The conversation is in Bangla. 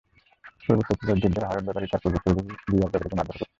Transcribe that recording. পূর্বশত্রুতার জের ধরে হারুন ব্যাপারী তাঁর সহযোগী রিয়াজ ব্যাপারীকে মারধর করেছেন।